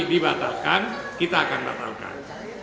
dibatalkan kita akan batalkan